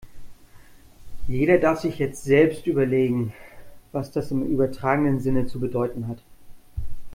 Jeder darf sich jetzt selbst überlegen, was das im übertragenen Sinne zu bedeuten hat.